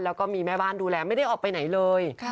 แล้วก็มีแม่บ้านดูแลไม่ได้ออกไปไหนเลย